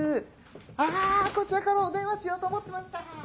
あこちらからお電話しようと思ってました。